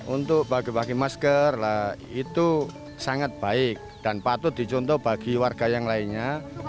untuk bagi bagi masker itu sangat baik dan patut dicontoh bagi warga yang lainnya